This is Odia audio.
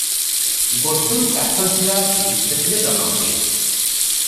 ଗୋଠରୁ କାଟଘିଅ ଆସି ସେଥିରେ ଜମାହୁଏ ।